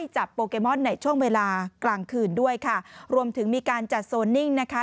โปเกมอนในช่วงเวลากลางคืนด้วยค่ะรวมถึงมีการจัดโซนนิ่งนะคะ